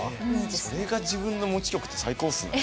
それが自分の持ち曲って最高っすね。